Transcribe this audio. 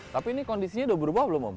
tapi ini kondisinya sudah berubah belum om